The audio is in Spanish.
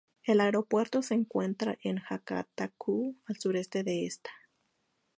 El aeropuerto se encuentra en Hakata-ku, al sureste de esta.